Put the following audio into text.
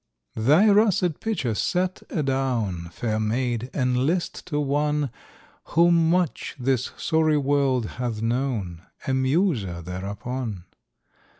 "Thy Russet Pitcher set adown, Fair maid, and list to one Who much this sorry world hath known,— A muser thereupon.